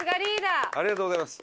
ありがとうございます。